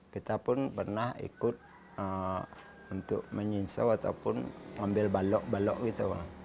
kita pun pernah ikut untuk menyinsau ataupun ambil balok balok gitu